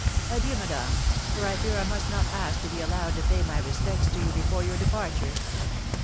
Adieu, madame, for I fear I must not ask to be allowed to pay my respects to you before your departure."